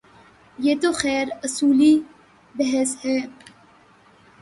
یہ تو خیر اصولی بحث ہے۔